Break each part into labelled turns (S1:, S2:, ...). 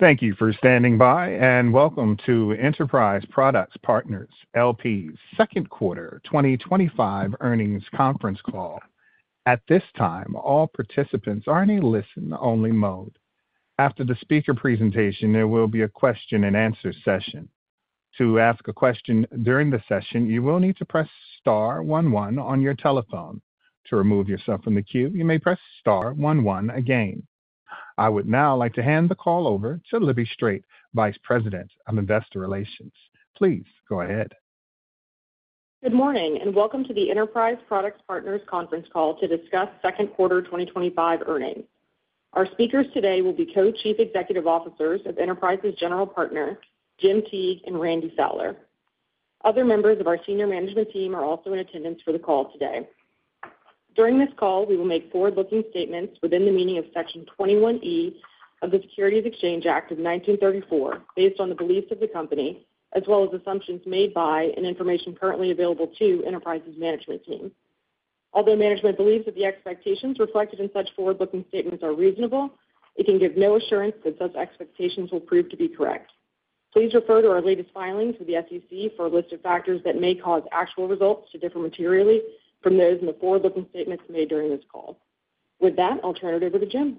S1: Thank you for standing by, and welcome to Enterprise Products Partners L.P. second quarter 2025 earnings conference call. At this time, all participants are in a listen-only mode. After the speaker presentation, there will be a question-and-answer session. To ask a question during the session, you will need to press star one one on your telephone. To remove yourself from the queue, you may press star one one again. I would now like to hand the call over to Libby Strait, Vice President of Investor Relations. Please go ahead.
S2: Good morning, and welcome to the Enterprise Products Partners conference call to discuss second quarter 2025 earnings. Our speakers today will be Co-Chief Executive Officers of Enterprise's general partner, Jim Teague and Randy Fowler. Other members of our senior management team are also in attendance for the call today. During this call, we will make forward-looking statements within the meaning of Section 21E of the Securities Exchange Act of 1934, based on the beliefs of the company, as well as assumptions made by and information currently available to Enterprise's management team. Although management believes that the expectations reflected in such forward-looking statements are reasonable, it can give no assurance that such expectations will prove to be correct. Please refer to our latest filings with the SEC for a list of factors that may cause actual results to differ materially from those in the forward-looking statements made during this call. With that, I'll turn it over to Jim.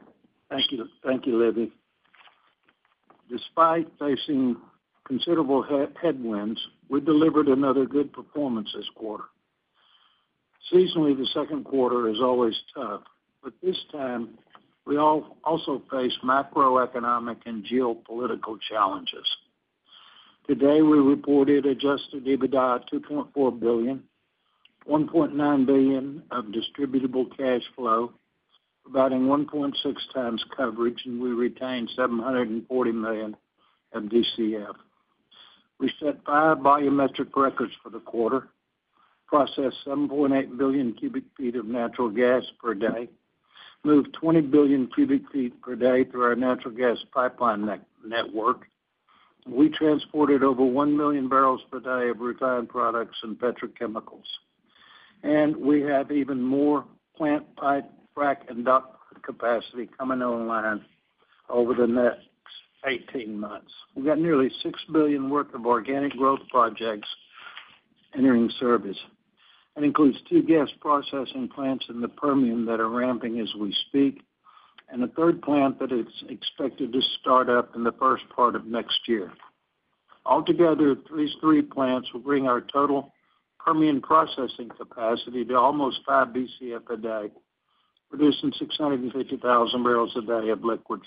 S3: Thank you. Thank you, Libby. Despite facing considerable headwinds, we delivered another good performance this quarter. Seasonally, the second quarter is always tough, but this time we also face macroeconomic and geopolitical challenges. Today, we reported adjusted EBITDA of $2.4 billion, $1.9 billion of distributable cash flow, providing 1.6 times coverage, and we retained $740 million of DCF. We set five biometric records for the quarter, processed 7.8 billion cu ft of natural gas per day, moved 20 billion cu ft per day through our natural gas pipeline network. We transported over 1 million barrels per day of refined products and petrochemicals. We have even more plant, pipe, frack, and dock capacity coming online over the next 18 months. We have nearly $6 billion worth of organic growth projects entering service. It includes two gas processing plants in the Permian that are ramping as we speak, and a third plant that is expected to start up in the first part of next year. Altogether, these three plants will bring our total Permian processing capacity to almost 5 Bcf a day, producing 650,000 barrels a day of liquids.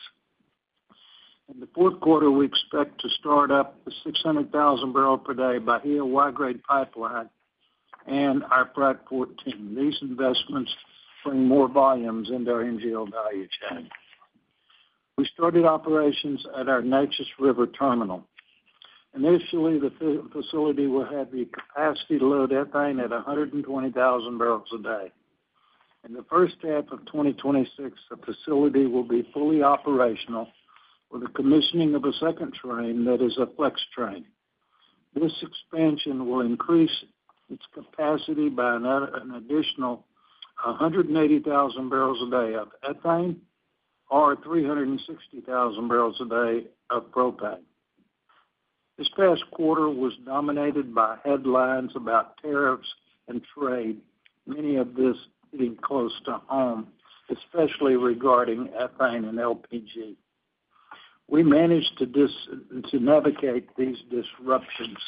S3: In the fourth quarter, we expect to start up the 600,000 barrels per day Bahia pipeline and our Frac 14. These investments bring more volumes into our NGL value chain. We started operations at our Neches River Terminal. Initially, the facility will have the capacity to load ethane at 120,000 barrels a day. In the first half of 2026, the facility will be fully operational with the commissioning of a second train that is a flex train. This expansion will increase its capacity by an additional 180,000 barrels a day of ethane or 360,000 barrels a day of propane. This past quarter was dominated by headlines about tariffs and trade, many of these hitting close to home, especially regarding ethane and LPG. We managed to navigate these disruptions.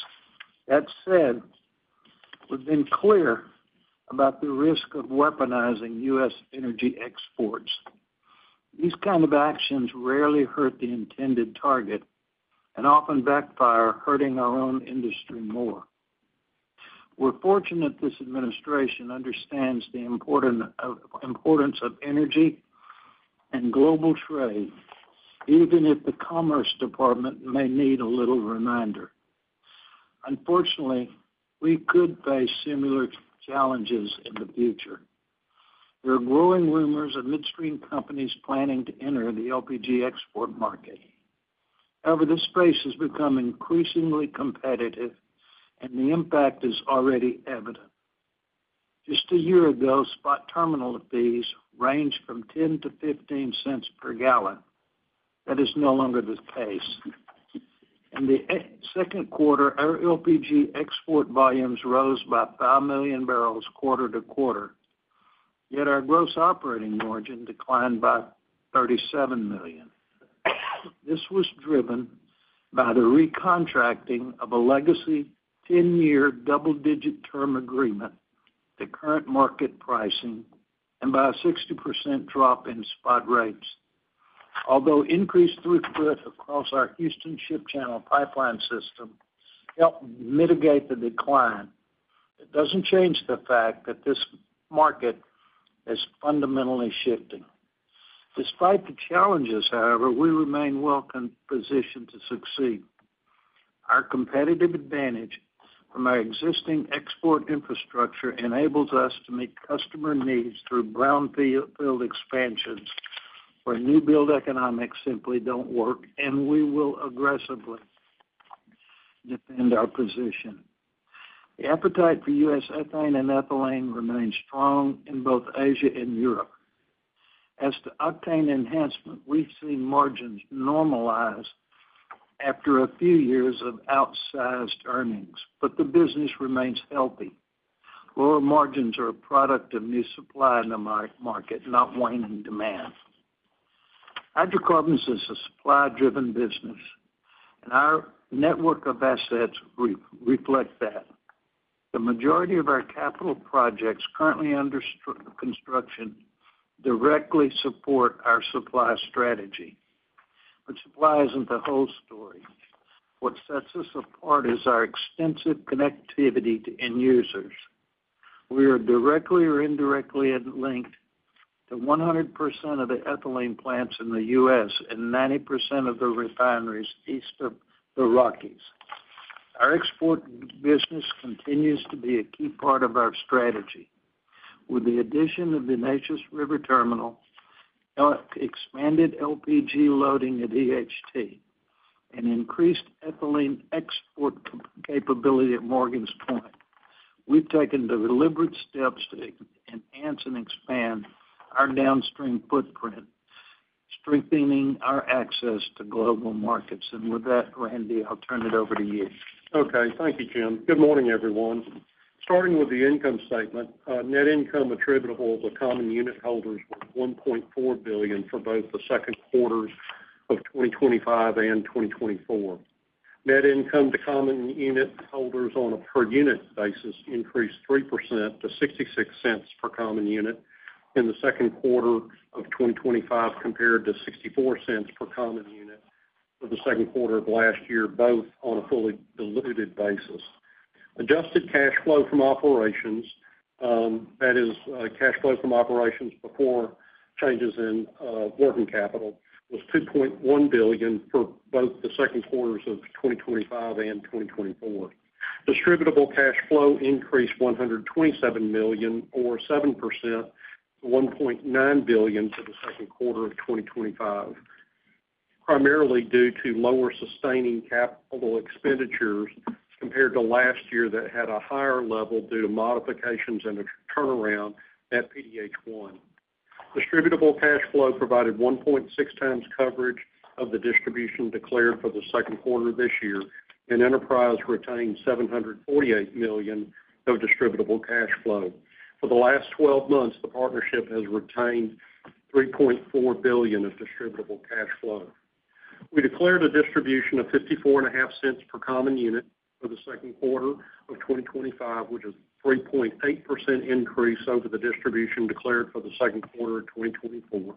S3: That said, we have been clear about the risk of weaponizing U.S. energy exports. These kinds of actions rarely hurt the intended target and often backfire, hurting our own industry more. We are fortunate this administration understands the importance of energy and global trade, even if the Commerce Department may need a little reminder. Unfortunately, we could face similar challenges in the future. There are growing rumors of midstream companies planning to enter the LPG export market. However, this space has become increasingly competitive, and the impact is already evident. Just a year ago, spot terminal fees ranged from $0.10-$0.15 per gallon. That is no longer the case. In the second quarter, our LPG export volumes rose by 5 million barrels quarter to quarter, yet our gross operating margin declined by $37 million. This was driven by the recontracting of a legacy 10-year double-digit term agreement at current market pricing and by a 60% drop in spot rates. Although increased throughput across our Houston Ship Channel Pipeline System helped mitigate the decline, it does not change the fact that this market. Is fundamentally shifting. Despite the challenges, however, we remain well-positioned to succeed. Our competitive advantage from our existing export infrastructure enables us to meet customer needs through brownfield expansions where new-build economics simply do not work, and we will aggressively defend our position. The appetite for U.S. ethane and ethylene remains strong in both Asia and Europe. As to octane enhancement, we have seen margins normalize after a few years of outsized earnings, but the business remains healthy. Lower margins are a product of new supply in the market, not waning demand. Hydrocarbons is a supply-driven business, and our network of assets reflects that. The majority of our capital projects currently under construction directly support our supply strategy. Supply is not the whole story. What sets us apart is our extensive connectivity to end users. We are directly or indirectly linked to 100% of the ethylene plants in the U.S. and 90% of the refineries east of the Rockies. Our export business continues to be a key part of our strategy. With the addition of the Neches River Terminal, expanded LPG loading at EHT, and increased ethylene export capability at Morgan’s Point, we have taken deliberate steps to enhance and expand our downstream footprint, strengthening our access to global markets. With that, Randy, I will turn it over to you.
S4: Okay. Thank you, Jim. Good morning, everyone. Starting with the income statement, net income attributable to common unit holders was $1.4 billion for both the second quarters of 2025 and 2024. Net income to common unit holders on a per-unit basis increased 3% to $0.66 per common unit in the second quarter of 2025, compared to $0.64 per common unit for the second quarter of last year, both on a fully diluted basis. Adjusted cash flow from operations, that is, cash flow from operations before changes in working capital, was $2.1 billion for both the second quarters of 2025 and 2024. Distributable cash flow increased $127 million, or 7%, to $1.9 billion for the second quarter of 2025, primarily due to lower sustaining capital expenditures compared to last year that had a higher level due to modifications and a turnaround at PDH 1. Distributable cash flow provided 1.6 times coverage of the distribution declared for the second quarter of this year, and Enterprise retained $748 million of distributable cash flow. For the last 12 months, the partnership has retained $3.4 billion of distributable cash flow. We declared a distribution of $0.545 per common unit for the second quarter of 2025, which is a 3.8% increase over the distribution declared for the second quarter of 2024.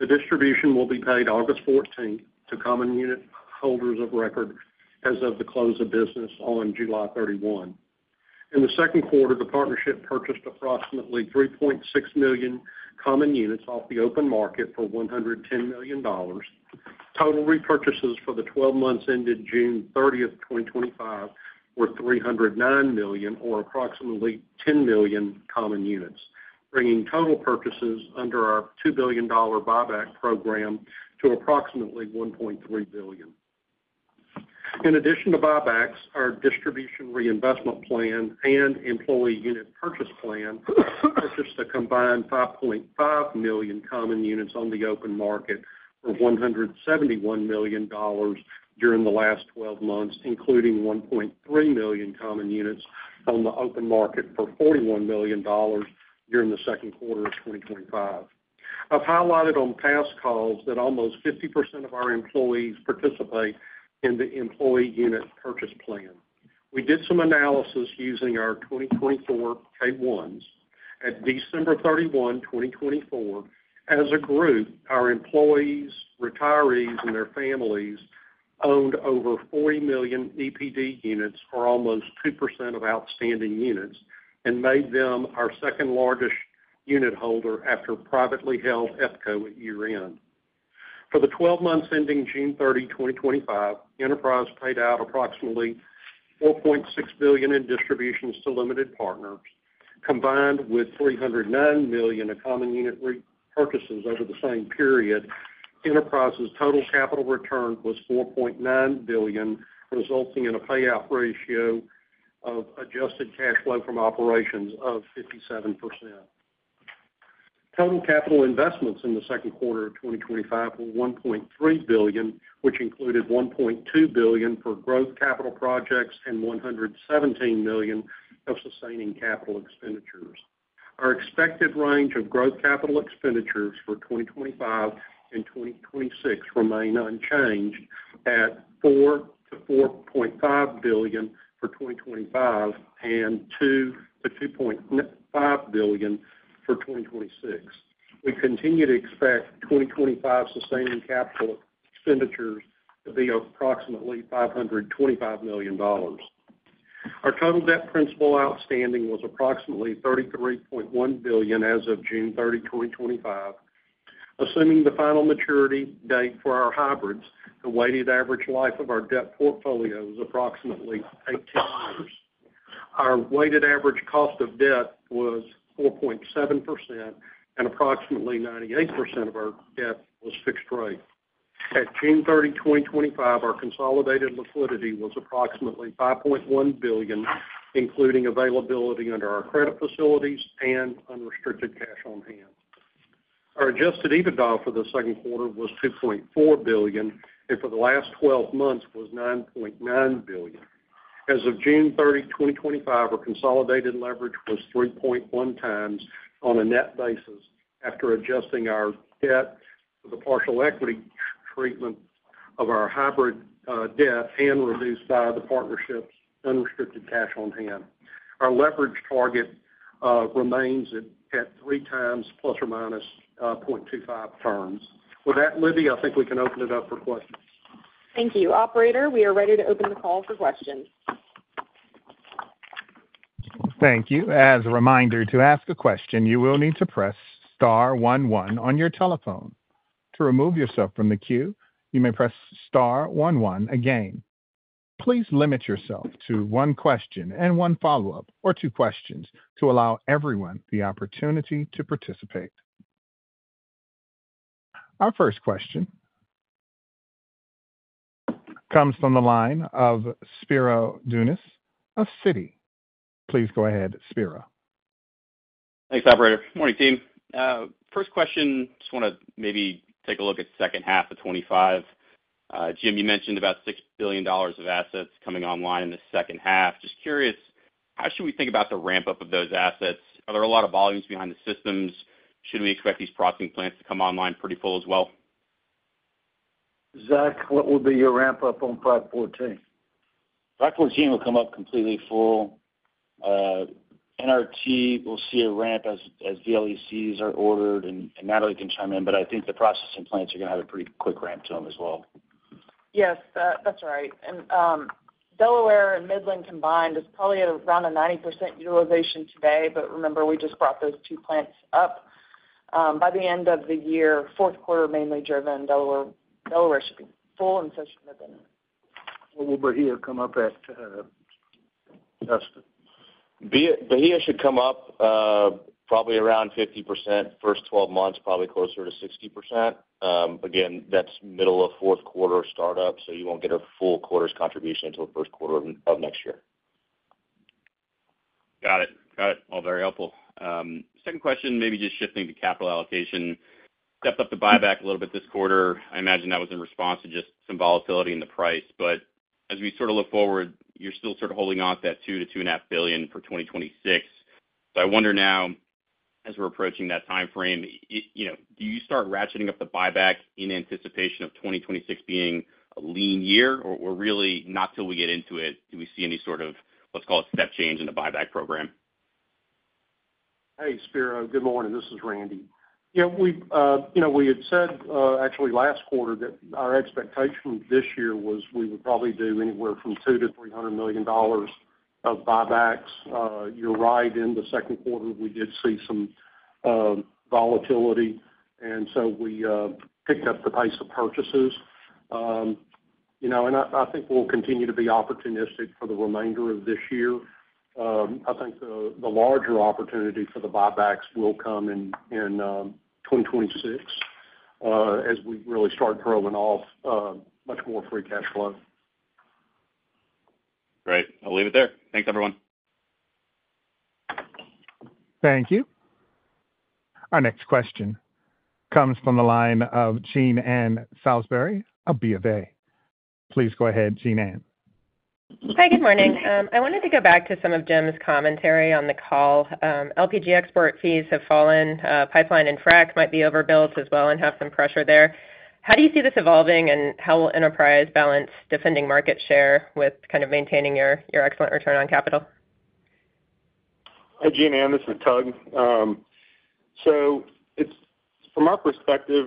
S4: The distribution will be paid August 14 to common unit holders of record as of the close of business on July 31. In the second quarter, the partnership purchased approximately 3.6 million common units off the open market for $110 million. Total repurchases for the 12 months ended June 30, 2025, were $309 million, or approximately 10 million common units, bringing total purchases under our $2 billion buyback program to approximately $1.3 billion. In addition to buybacks, our distribution reinvestment plan and employee unit purchase plan purchased a combined 5.5 million common units on the open market for $171 million during the last 12 months, including 1.3 million common units on the open market for $41 million during the second quarter of 2025. I've highlighted on past calls that almost 50% of our employees participate in the employee unit purchase plan. We did some analysis using our 2024 K-1s. At December 31, 2024, as a group, our employees, retirees, and their families owned over 40 million EPD units, or almost 2% of outstanding units, and made them our second largest unit holder after privately held EPCO at year-end. For the 12 months ending June 30, 2025, Enterprise paid out approximately $4.6 billion in distributions to limited partners, combined with $309 million of common unit purchases over the same period. Enterprise's total capital return was $4.9 billion, resulting in a payout ratio of adjusted cash flow from operations of 57%. Total capital investments in the second quarter of 2025 were $1.3 billion, which included $1.2 billion for growth capital projects and $117 million of sustaining capital expenditures. Our expected range of growth capital expenditures for 2025 and 2026 remains unchanged at $4 billion-$4.5 billion for 2025 and $2 billion-$2.5 billion for 2026. We continue to expect 2025 sustaining capital expenditures to be approximately $525 million. Our total debt principal outstanding was approximately $33.1 billion as of June 30, 2025. Assuming the final maturity date for our hybrids, the weighted average life of our debt portfolio is approximately 18 years. Our weighted average cost of debt was 4.7%, and approximately 98% of our debt was fixed rate. At June 30, 2025, our consolidated liquidity was approximately $5.1 billion, including availability under our credit facilities and unrestricted cash on hand. Our adjusted EBITDA for the second quarter was $2.4 billion, and for the last 12 months was $9.9 billion. As of June 30, 2025, our consolidated leverage was 3.1 times on a net basis after adjusting our debt for the partial equity treatment of our hybrid debt and reduced by the partnership's unrestricted cash on hand. Our leverage target remains at 3 times plus or minus 0.25 turns. With that, Libby, I think we can open it up for questions.
S2: Thank you. Operator, we are ready to open the call for questions.
S1: Thank you. As a reminder, to ask a question, you will need to press star one one on your telephone. To remove yourself from the queue, you may press star one one again. Please limit yourself to one question and one follow-up, or two questions, to allow everyone the opportunity to participate. Our first question comes from the line of Spiro Dounis of Citi. Please go ahead, Spiro.
S5: Thanks, Operator. Morning, team. First question, just want to maybe take a look at the second half of 2025. Jim, you mentioned about $6 billion of assets coming online in the second half. Just curious, how should we think about the ramp-up of those assets? Are there a lot of volumes behind the systems? Should we expect these processing plants to come online pretty full as well?
S3: Zach, what will be your ramp-up on 5/14?
S6: 5/14 will come up completely full. NRT will see a ramp as VLECs are ordered, and Natalie can chime in, but I think the processing plants are going to have a pretty quick ramp to them as well.
S7: Yes, that's right. Delaware and Midland combined is probably around 90% utilization today, but remember, we just brought those two plants up. By the end of the year, fourth quarter mainly driven, Delaware should be full, and so should Midland.
S3: Will Bahia come up at adjusted?
S6: Bahia should come up. Probably around 50% first 12 months, probably closer to 60%. Again, that's middle of fourth quarter startup, so you won't get a full quarter's contribution until the first quarter of next year.
S5: Got it. Got it. All very helpful. Second question, maybe just shifting to capital allocation. Stepped up the buyback a little bit this quarter. I imagine that was in response to just some volatility in the price. As we sort of look forward, you're still sort of holding off that $2 billion-$2.5 billion for 2026. I wonder now, as we're approaching that time frame, do you start ratcheting up the buyback in anticipation of 2026 being a lean year? Or really, not till we get into it, do we see any sort of, let's call it, step change in the buyback program?
S4: Hey, Spiro. Good morning. This is Randy. Yeah. We had said, actually, last quarter, that our expectation this year was we would probably do anywhere from $200 million-$300 million of buybacks. You're right. In the second quarter, we did see some volatility, and so we picked up the pace of purchases. I think we'll continue to be opportunistic for the remainder of this year. I think the larger opportunity for the buybacks will come in 2026. As we really start throwing off much more free cash flow.
S5: Great. I'll leave it there. Thanks, everyone.
S1: Thank you. Our next question comes from the line of Jean Ann Salisbury, of B of A. Please go ahead, Jean Ann.
S8: Hi, good morning. I wanted to go back to some of Jim's commentary on the call. LPG export fees have fallen. Pipeline and Frac might be overbuilt as well and have some pressure there. How do you see this evolving, and how will Enterprise balance defending market share with kind of maintaining your excellent return on capital?
S9: Hi, Jean Anne. This is Tug. From our perspective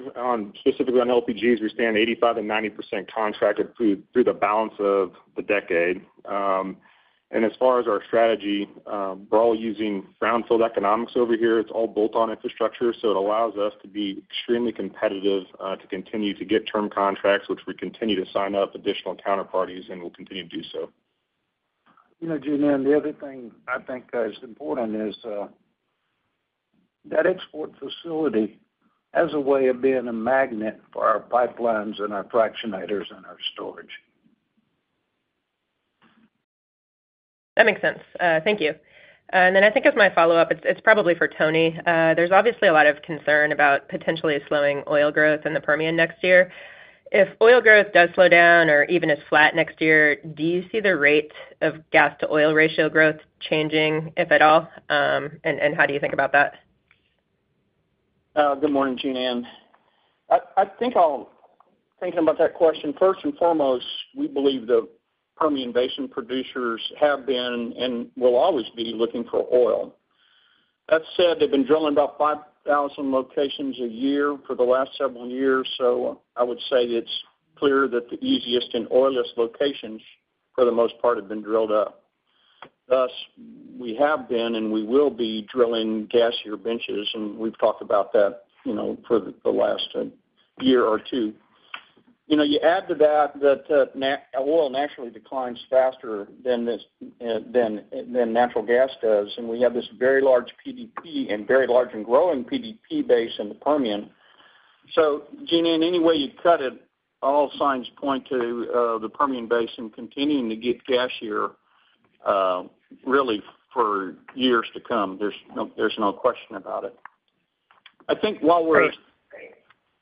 S9: specifically on LPGs, we stand 85%-90% contracted through the balance of the decade. As far as our strategy, we're all using brownfield economics over here. It's all bolt-on infrastructure, so it allows us to be extremely competitive to continue to get term contracts, which we continue to sign up additional counterparties, and we'll continue to do so.
S3: You know, Jean Anne, the other thing I think is important is that export facility has a way of being a magnet for our pipelines and our fractionators and our storage.
S8: That makes sense. Thank you. I think as my follow-up, it's probably for Tony. There's obviously a lot of concern about potentially slowing oil growth in the Permian next year. If oil growth does slow down or even is flat next year, do you see the rate of gas-to-oil ratio growth changing, if at all? How do you think about that?
S10: Good morning, Jean Anne. I think I'll think about that question. First and foremost, we believe the Permian Basin producers have been and will always be looking for oil. That said, they've been drilling about 5,000 locations a year for the last several years, so I would say it's clear that the easiest and oiliest locations, for the most part, have been drilled up. Thus, we have been and we will be drilling gassier benches, and we've talked about that for the last year or two. You add to that that oil naturally declines faster than natural gas does, and we have this very large PDP and very large and growing PDP base in the Permian. So, Jean Anne, any way you cut it, all signs point to the Permian Basin continuing to get gassier, really for years to come. There's no question about it. I think while we're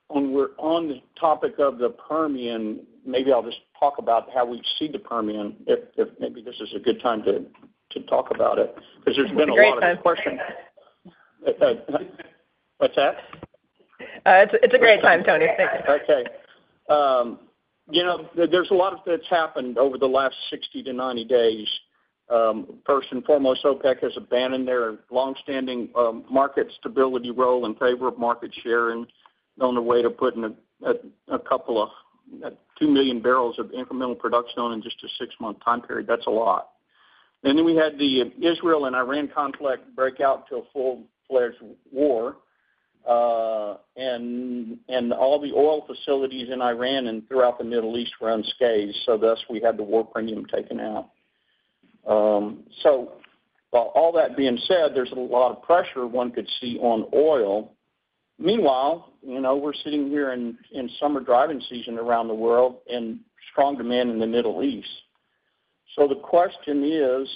S10: on the topic of the Permian, maybe I'll just talk about how we see the Permian, if maybe this is a good time to talk about it, because there's been a lot of.
S7: It's a great time.
S10: Question. What's that?
S7: It's a great time, Tony. Thank you.
S10: Okay. There's a lot that's happened over the last 60 to 90 days. First and foremost, OPEC has abandoned their longstanding market stability role in favor of market share and known a way to put in a couple of 2 million barrels of incremental production on in just a six-month time period. That's a lot. Then we had the Israel and Iran conflict break out into a full-fledged war. All the oil facilities in Iran and throughout the Middle East were unscathed, so thus we had the war premium taken out. All that being said, there's a lot of pressure one could see on oil. Meanwhile, we're sitting here in summer driving season around the world and strong demand in the Middle East. The question is,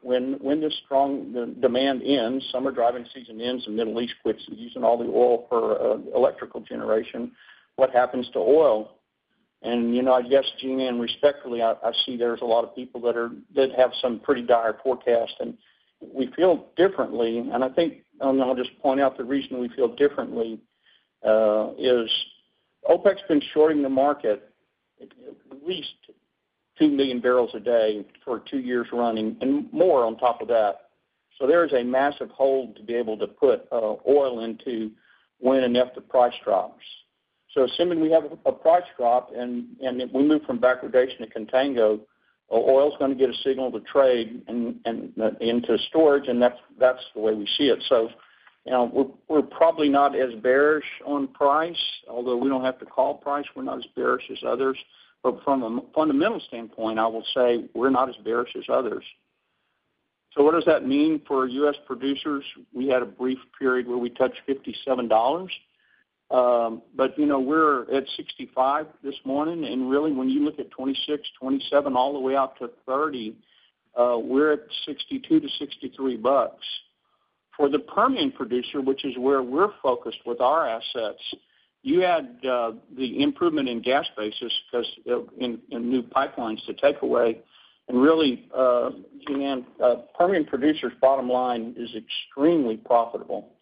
S10: when this strong demand ends, summer driving season ends, the Middle East quits using all the oil for electrical generation, what happens to oil? I guess, Jean Anne, respectfully, I see there's a lot of people that have some pretty dire forecasts, and we feel differently. I think, and I'll just point out the reason we feel differently. OPEC's been shorting the market. At least 2 million barrels a day for two years running and more on top of that. There is a massive hole to be able to put oil into when and after price drops. Assuming we have a price drop and we move from backwardation to contango, oil's going to get a signal to trade into storage, and that's the way we see it. We're probably not as bearish on price, although we don't have to call price. We're not as bearish as others. From a fundamental standpoint, I will say we're not as bearish as others. What does that mean for U.S. producers? We had a brief period where we touched $57. We're at $65 this morning. Really, when you look at 2026, 2027, all the way out to 2030, we're at $62-$63. For the Permian producer, which is where we're focused with our assets, you had the improvement in gas basis because of new pipelines to take away. Really, Jean Anne, Permian producers' bottom line is extremely profitable.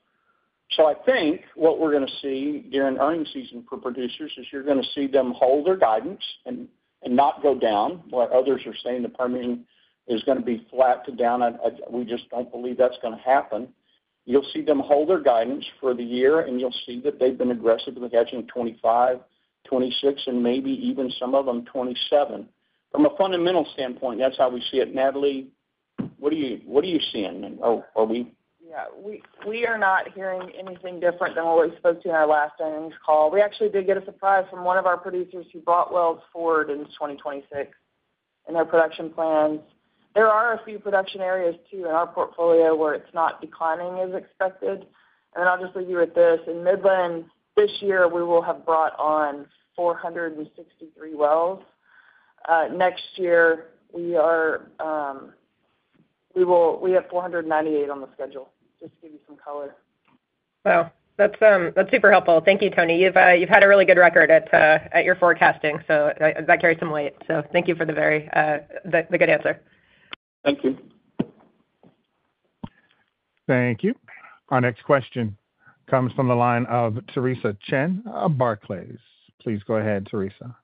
S10: I think what we're going to see during earning season for producers is you're going to see them hold their guidance and not go down, where others are saying the Permian is going to be flat to down. We just don't believe that's going to happen. You'll see them hold their guidance for the year, and you'll see that they've been aggressive in the catching 2025, 2026, and maybe even some of them 2027. From a fundamental standpoint, that's how we see it. Natalie, what are you seeing? Are we?
S7: Yeah. We are not hearing anything different than what we spoke to in our last earnings call. We actually did get a surprise from one of our producers who brought wells forward in 2026 in their production plans. There are a few production areas, too, in our portfolio where it is not declining as expected. I will just leave you with this. In Midland, this year, we will have brought on 463 wells. Next year, we have 498 on the schedule, just to give you some color.
S8: Wow. That's super helpful. Thank you, Tony. You've had a really good record at your forecasting, so that carries some weight. Thank you for the good answer.
S10: Thank you.
S1: Thank you. Our next question comes from the line of Theresa Chen of Barclays. Please go ahead, Theresa.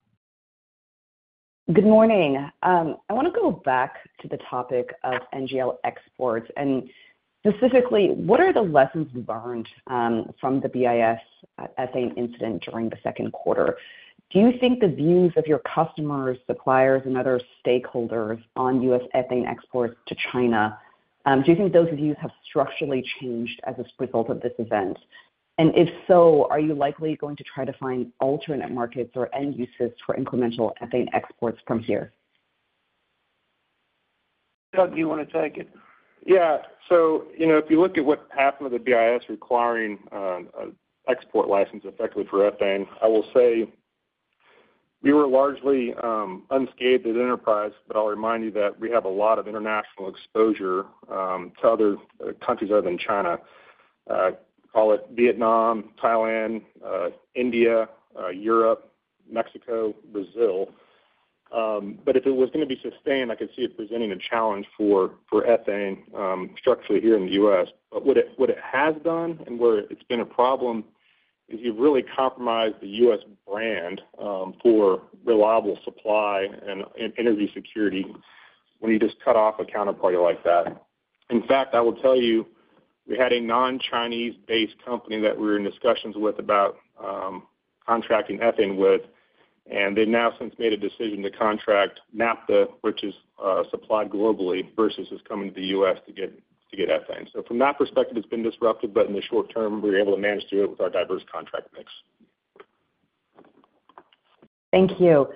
S11: Good morning. I want to go back to the topic of NGL exports. Specifically, what are the lessons learned from the BIS ethane incident during the second quarter? Do you think the views of your customers, suppliers, and other stakeholders on U.S. ethane exports to China, do you think those views have structurally changed as a result of this event? If so, are you likely going to try to find alternate markets or end uses for incremental ethane exports from here?
S3: Doug, do you want to take it?
S12: Yeah. So if you look at what happened with the BIS requiring an export license effectively for ethane, I will say we were largely unscathed at Enterprise, but I'll remind you that we have a lot of international exposure to other countries other than China. Call it Vietnam, Thailand, India, Europe, Mexico, Brazil. If it was going to be sustained, I could see it presenting a challenge for ethane structurally here in the U.S. What it has done and where it's been a problem is you've really compromised the U.S. brand for reliable supply and energy security when you just cut off a counterparty like that. In fact, I will tell you, we had a non-Chinese-based company that we were in discussions with about contracting ethane with, and they have now since made a decision to contract NAPTA, which is supplied globally, versus just coming to the U.S. to get ethane. From that perspective, it's been disruptive, but in the short term, we were able to manage through it with our diverse contract mix.
S11: Thank you.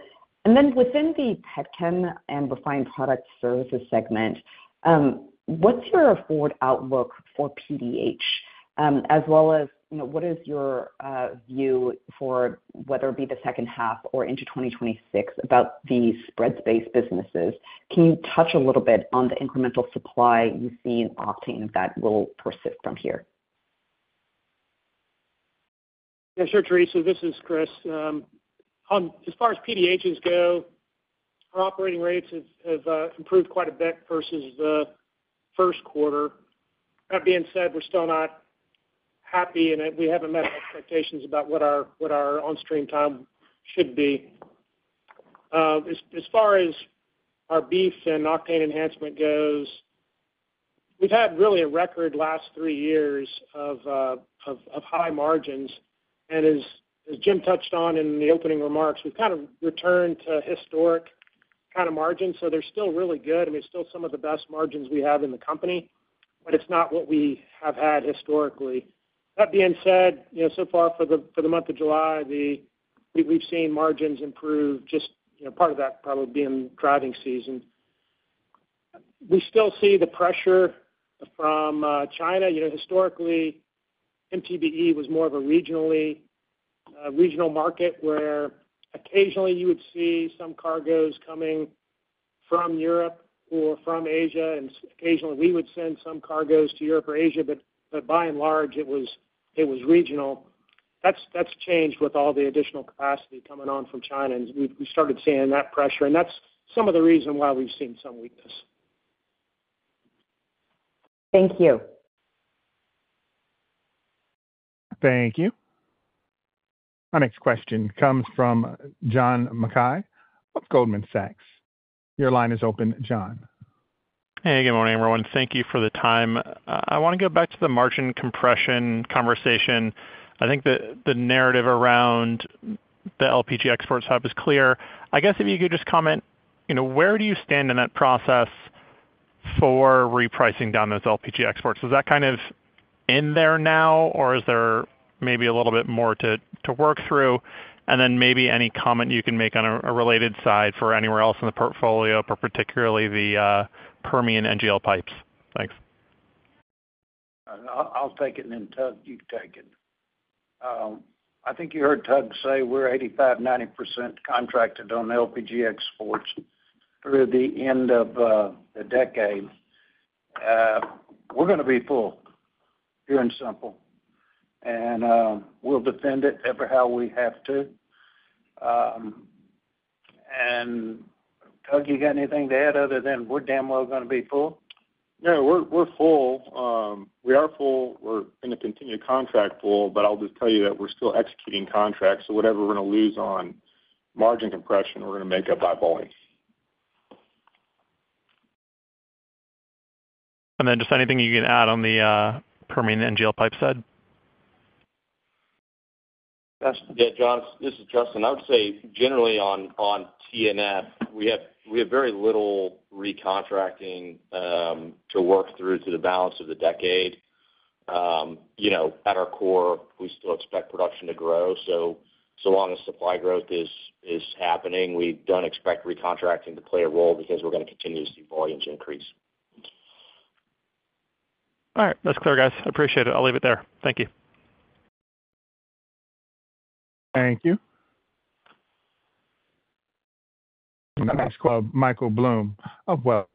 S11: Within the Petchem and Refined Product Services segment, what's your forward outlook for PDH, as well as what is your view for whether it be the second half or into 2026 about the spread-based businesses? Can you touch a little bit on the incremental supply you see in octane that will persist from here?
S13: Yeah. Sure, Theresa. This is Chris. As far as PDHs go, our operating rates have improved quite a bit versus the first quarter. That being said, we're still not happy, and we haven't met expectations about what our on-stream time should be. As far as our beef and octane enhancement goes, we've had really a record last three years of high margins. And as Jim touched on in the opening remarks, we've kind of returned to historic kind of margins. They are still really good. I mean, still some of the best margins we have in the company, but it's not what we have had historically. That being said, so far for the month of July, we've seen margins improve, just part of that probably being driving season. We still see the pressure from China. Historically, MTBE was more of a regional market where occasionally you would see some cargoes coming from Europe or from Asia. Occasionally we would send some cargoes to Europe or Asia, but by and large, it was regional. That has changed with all the additional capacity coming on from China, and we started seeing that pressure. That is some of the reason why we've seen some weakness.
S11: Thank you.
S1: Thank you. Our next question comes from John Mackay of Goldman Sachs. Your line is open, John.
S14: Hey, good morning, everyone. Thank you for the time. I want to go back to the margin compression conversation. I think the narrative around the LPG exports hub is clear. I guess if you could just comment, where do you stand in that process for repricing down those LPG exports? Is that kind of in there now, or is there maybe a little bit more to work through? Any comment you can make on a related side for anywhere else in the portfolio, particularly the Permian NGL pipes? Thanks.
S3: I'll take it, and then Tug, you take it. I think you heard Tug say we're 85%-90% contracted on LPG exports through the end of the decade. We're going to be full. Pure and simple. We'll defend it however we have to. Tug, you got anything to add other than we're damn well going to be full?
S9: No, we're full. We are full. We're going to continue to contract full, but I'll just tell you that we're still executing contracts. So whatever we're going to lose on margin compression, we're going to make up by volume.
S14: Is there anything you can add on the Permian NGL pipe side?
S15: Yeah, John, this is Justin. I would say generally on TNF, we have very little recontracting to work through to the balance of the decade. At our core, we still expect production to grow. As long as supply growth is happening, we do not expect recontracting to play a role because we are going to continue to see volumes increase.
S14: All right. That's clear, guys. I appreciate it. I'll leave it there. Thank you.
S1: Thank you. Our next call, Michael Blum of Wells.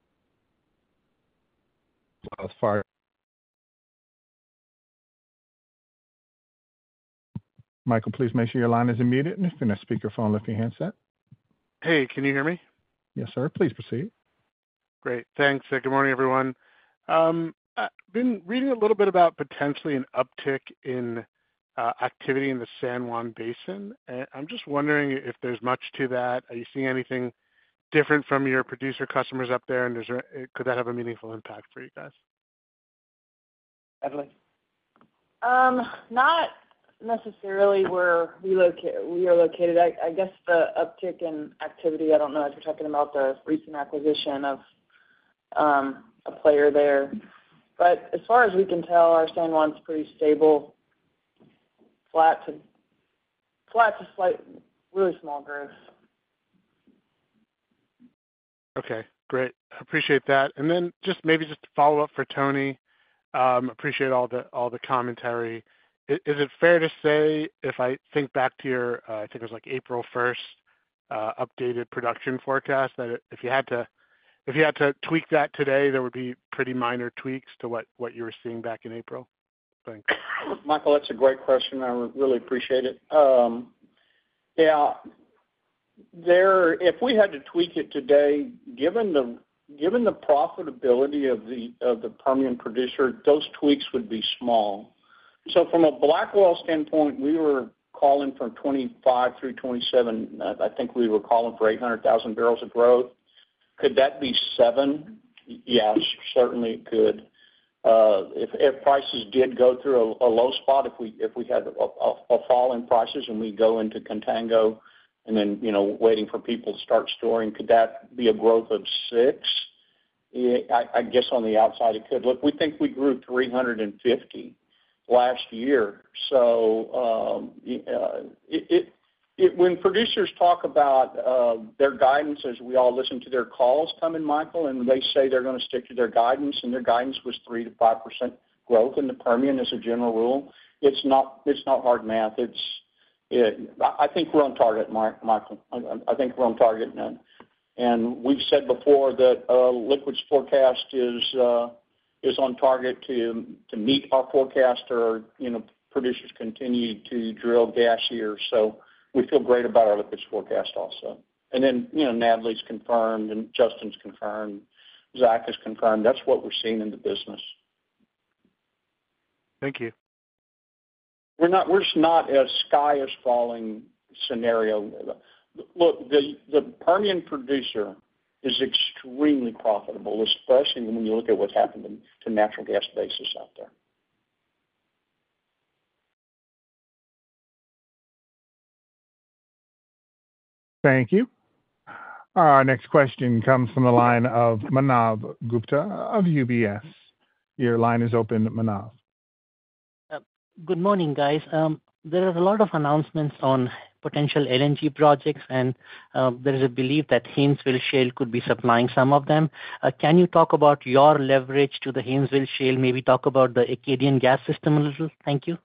S1: Michael, please make sure your line is unmuted. If you're on a speakerphone, lift your handset.
S16: Hey, can you hear me?
S1: Yes, sir. Please proceed.
S16: Great. Thanks. Good morning, everyone. I've been reading a little bit about potentially an uptick in activity in the San Juan Basin. I'm just wondering if there's much to that. Are you seeing anything different from your producer customers up there? Could that have a meaningful impact for you guys?
S3: Natalie?
S7: Not necessarily where we are located. I guess the uptick in activity, I don't know, as we're talking about the recent acquisition of a player there. As far as we can tell, our San Juan's pretty stable. Flat to really small growth.
S16: Okay. Great. Appreciate that. Maybe just to follow up for Tony, appreciate all the commentary. Is it fair to say, if I think back to your, I think it was like April 1st updated production forecast, that if you had to tweak that today, there would be pretty minor tweaks to what you were seeing back in April? Thanks.
S10: Michael, that's a great question. I really appreciate it. Yeah. If we had to tweak it today, given the profitability of the Permian producer, those tweaks would be small. From a Blackwell standpoint, we were calling for 25-27. I think we were calling for 800,000 barrels of growth. Could that be seven? Yes, certainly it could. If prices did go through a low spot, if we had a fall in prices and we go into contango and then waiting for people to start storing, could that be a growth of six? I guess on the outside, it could. Look, we think we grew 350 last year. When producers talk about their guidance, as we all listen to their calls coming, Michael, and they say they're going to stick to their guidance, and their guidance was 3-5% growth in the Permian as a general rule, it's not hard math. I think we're on target, Michael. I think we're on target. We've said before that our liquids forecast is on target to meet our forecast or producers continue to drill gas here. We feel great about our liquids forecast also. Natalie has confirmed, and Justin's confirmed, Zach has confirmed. That's what we're seeing in the business.
S16: Thank you.
S10: We're just not a sky is falling scenario. Look, the Permian producer is extremely profitable, especially when you look at what's happened to natural gas basis out there.
S1: Thank you. Our next question comes from the line of Manav Gupta of UBS. Your line is open, Manav.
S17: Good morning, guys. There are a lot of announcements on potential LNG projects, and there is a belief that Haynesville Shale could be supplying some of them. Can you talk about your leverage to the Haynesville Shale, maybe talk about the Acadian gas system a little? Thank you.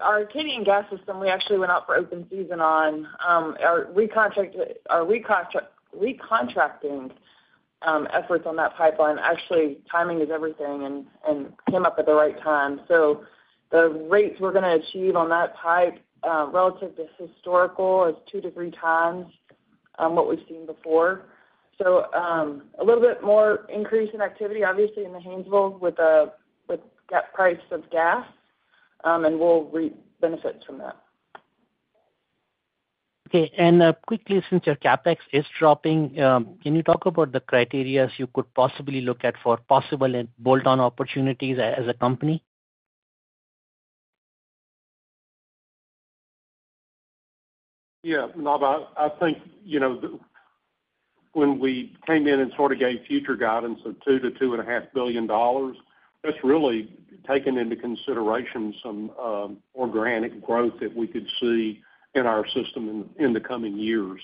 S7: Our Acadian gas system, we actually went out for open season on our recontracting efforts on that pipeline. Actually, timing is everything and came up at the right time. The rates we are going to achieve on that pipe relative to historical is two to three times what we have seen before. A little bit more increase in activity, obviously, in the Haynesville with gas price of gas. We will reap benefits from that.
S17: Okay. Quickly, since your CapEx is dropping, can you talk about the criteria you could possibly look at for possible bolt-on opportunities as a company?
S4: Yeah. I think when we came in and sort of gave future guidance of $2 billion-$2.5 billion, that's really taken into consideration some organic growth that we could see in our system in the coming years,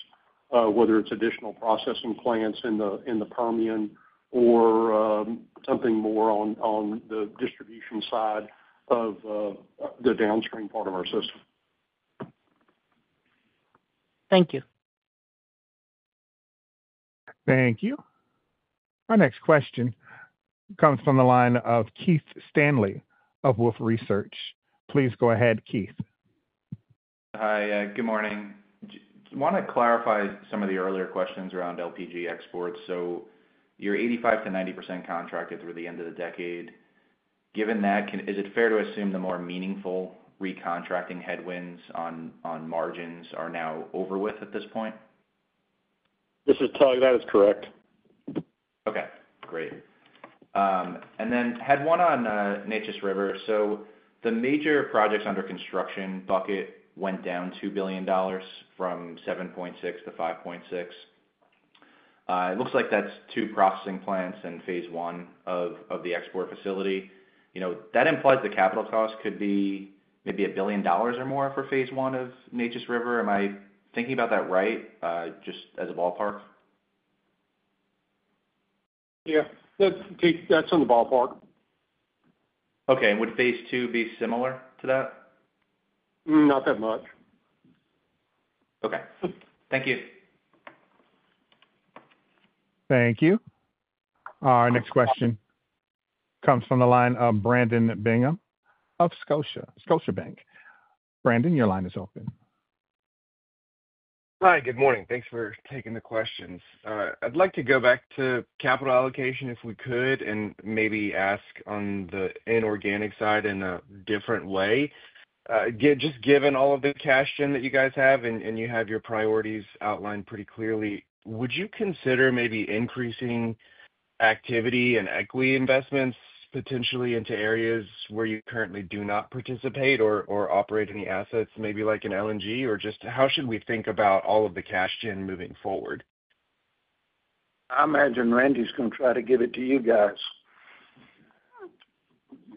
S4: whether it's additional processing plants in the Permian or something more on the distribution side of the downstream part of our system.
S17: Thank you.
S1: Thank you. Our next question comes from the line of Keith Stanley of Wolfe Research. Please go ahead, Keith.
S18: Hi. Good morning. I want to clarify some of the earlier questions around LPG exports. So you're 85%-90% contracted through the end of the decade. Given that, is it fair to assume the more meaningful recontracting headwinds on margins are now over with at this point?
S9: This is Tug. That is correct.
S18: Okay. Great. I had one on Neches River. The major projects under construction bucket went down $2 billion from $7.6 billion to $5.6 billion. It looks like that is two processing plants and phase one of the export facility. That implies the capital cost could be maybe $1 billion or more for phase one of Neches River. Am I thinking about that right, just as a ballpark?
S9: Yeah. That's in the ballpark.
S18: Okay. Would phase two be similar to that?
S9: Not that much.
S18: Okay. Thank you.
S1: Thank you. Our next question comes from the line of Brandon Bingham of Scotiabank. Brandon, your line is open.
S19: Hi. Good morning. Thanks for taking the questions. I'd like to go back to capital allocation if we could and maybe ask on the inorganic side in a different way. Just given all of the cash gen that you guys have and you have your priorities outlined pretty clearly, would you consider maybe increasing activity and equity investments potentially into areas where you currently do not participate or operate any assets, maybe like an LNG, or just how should we think about all of the cash gen moving forward?
S3: I imagine Randy's going to try to give it to you guys.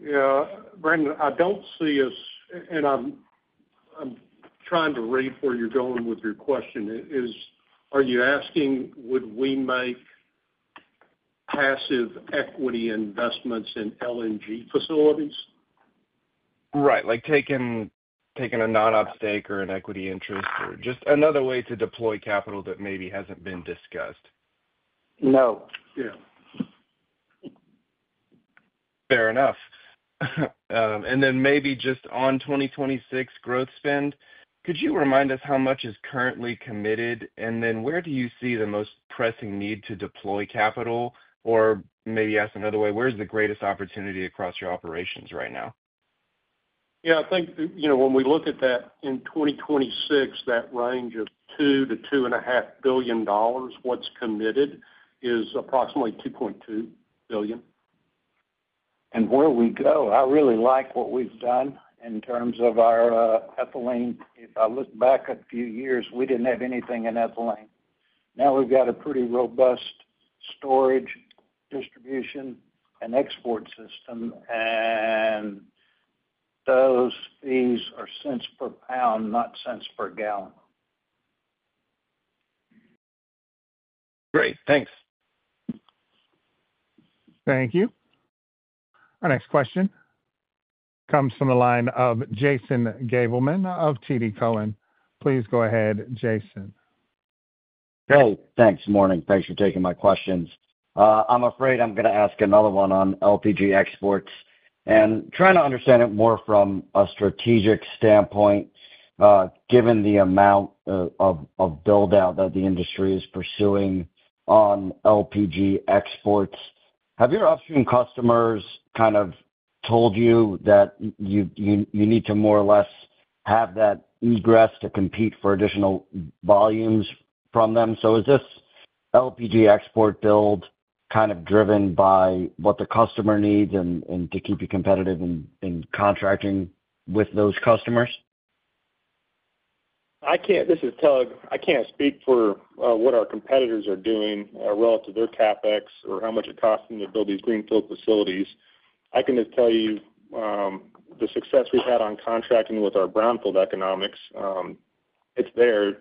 S4: Yeah. Brandon, I don't see us, and I'm trying to read where you're going with your question. Are you asking would we make passive equity investments in LNG facilities?
S19: Right. Like taking a non-op stake or an equity interest or just another way to deploy capital that maybe hasn't been discussed.
S3: No.
S4: Yeah.
S19: Fair enough. Maybe just on 2026 growth spend, could you remind us how much is currently committed? Where do you see the most pressing need to deploy capital? Maybe ask another way, where's the greatest opportunity across your operations right now?
S4: Yeah. I think when we look at that in 2026, that range of $2 billion-$2.5 billion, what's committed is approximately $2.2 billion.
S3: Where we go, I really like what we've done in terms of our ethylene. If I look back a few years, we didn't have anything in ethylene. Now we've got a pretty robust storage, distribution, and export system. Those fees are cents per pound, not cents per gallon.
S19: Great. Thanks.
S1: Thank you. Our next question comes from the line of Jason Gabelman of TD Cowen. Please go ahead, Jason.
S20: Hey. Thanks. Good morning. Thanks for taking my questions. I'm afraid I'm going to ask another one on LPG exports. Trying to understand it more from a strategic standpoint. Given the amount of buildout that the industry is pursuing on LPG exports, have your upstream customers kind of told you that you need to more or less have that egress to compete for additional volumes from them? Is this LPG export build kind of driven by what the customer needs and to keep you competitive in contracting with those customers?
S9: This is Tug. I can't speak for what our competitors are doing relative to their CapEx or how much it costs them to build these greenfield facilities. I can just tell you the success we've had on contracting with our brownfield economics. It's there.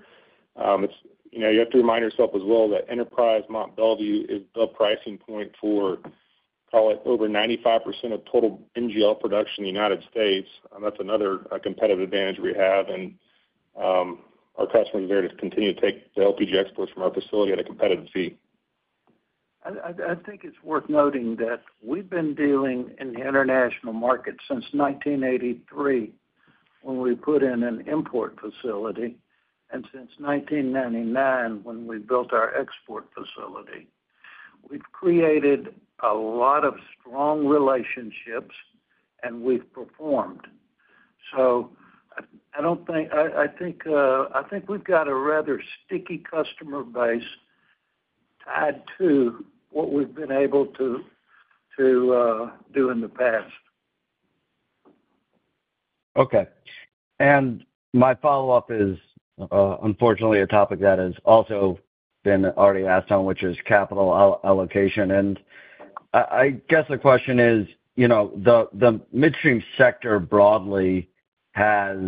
S9: You have to remind yourself as well that Enterprise Mont Belvieu is the pricing point for, call it, over 95% of total NGL production in the United States. That's another competitive advantage we have. Our customers are there to continue to take the LPG exports from our facility at a competitive fee.
S3: I think it's worth noting that we've been dealing in the international market since 1983. When we put in an import facility. And since 1999, when we built our export facility. We've created a lot of strong relationships, and we've performed. So, I think we've got a rather sticky customer base tied to what we've been able to do in the past.
S20: Okay. My follow-up is, unfortunately, a topic that has also been already asked on, which is capital allocation. I guess the question is, the midstream sector broadly has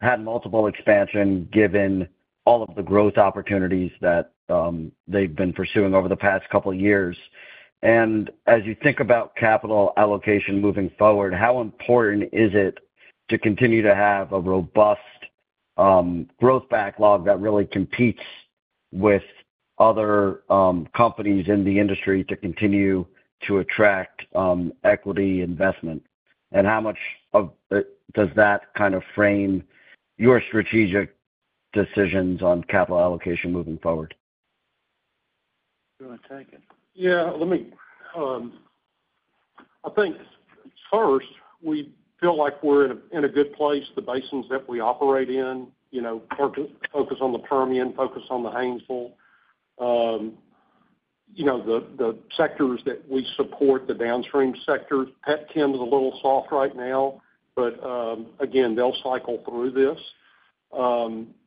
S20: had multiple expansions given all of the growth opportunities that they've been pursuing over the past couple of years. As you think about capital allocation moving forward, how important is it to continue to have a robust growth backlog that really competes with other companies in the industry to continue to attract equity investment? How much does that kind of frame your strategic decisions on capital allocation moving forward?
S3: Go ahead, take it.
S4: Yeah. I think. First, we feel like we're in a good place. The basins that we operate in. Focus on the Permian, focus on the Haynesville. The sectors that we support, the downstream sectors, Petchem is a little soft right now, but again, they'll cycle through this.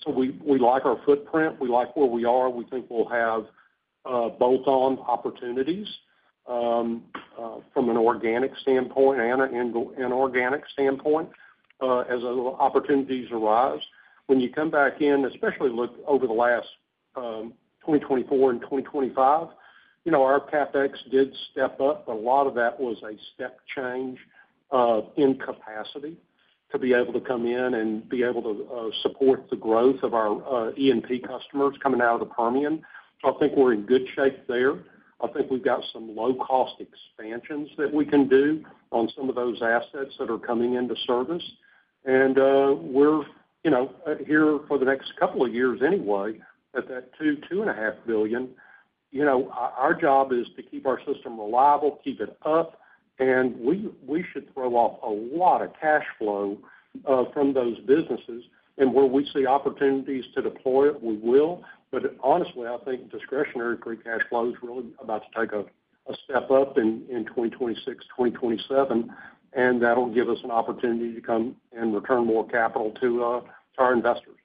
S4: We like our footprint. We like where we are. We think we'll have bolt-on opportunities from an organic standpoint and an inorganic standpoint as opportunities arise. When you come back in, especially look over the last 2024 and 2025, our CapEx did step up. A lot of that was a step change in capacity to be able to come in and be able to support the growth of our E&P customers coming out of the Permian. I think we're in good shape there. I think we've got some low-cost expansions that we can do on some of those assets that are coming into service. We're here for the next couple of years anyway at that $2 billion-$2.5 billion. Our job is to keep our system reliable, keep it up, and we should throw off a lot of cash flow from those businesses. Where we see opportunities to deploy it, we will. Honestly, I think discretionary free cash flow is really about to take a step up in 2026, 2027, and that'll give us an opportunity to come and return more capital to our investors.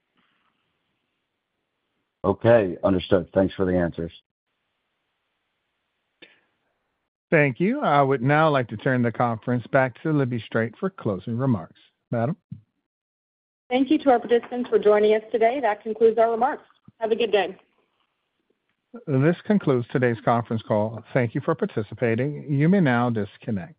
S20: Okay. Understood. Thanks for the answers.
S1: Thank you. I would now like to turn the conference back to Libby Strait for closing remarks. Madam?
S2: Thank you to our participants for joining us today. That concludes our remarks. Have a good day.
S1: This concludes today's conference call. Thank you for participating. You may now disconnect.